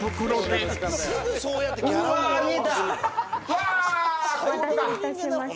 お待たせいたしました。